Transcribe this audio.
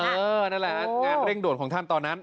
นั่นแหละงานเร่งด่วนของท่านตอนนั้น